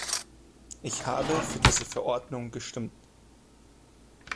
Ich habe für diese Verordnung gestimmt.